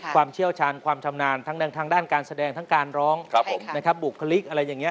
เชี่ยวชาญความชำนาญทั้งทางด้านการแสดงทั้งการร้องบุคลิกอะไรอย่างนี้